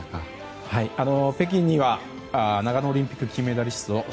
北京には長野オリンピック金メダリスト